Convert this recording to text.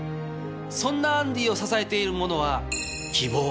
そんなアンディーを支えているものは。